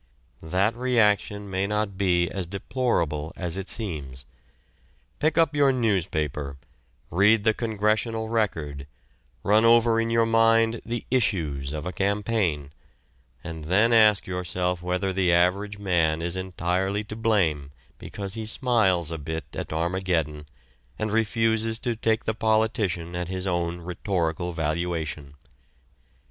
That reaction may not be as deplorable as it seems. Pick up your newspaper, read the Congressional Record, run over in your mind the "issues" of a campaign, and then ask yourself whether the average man is entirely to blame because he smiles a bit at Armageddon and refuses to take the politician at his own rhetorical valuation.